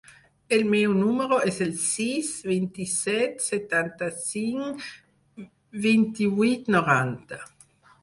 El meu número es el sis, vint-i-set, setanta-cinc, vint-i-vuit, noranta.